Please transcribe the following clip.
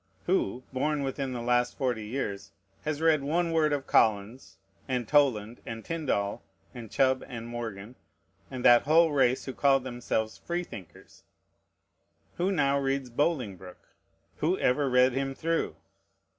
Who, born within the last forty years, has read one word of Collins, and Toland, and Tindal, and Chubb, and Morgan, and that whole race who called themselves Freethinkers? Who now reads Bolingbroke? Who ever read him through?